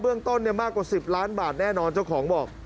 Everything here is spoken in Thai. เรื่องต้นมากกว่า๑๐ล้านบาทแน่นอนเจ้าของบอก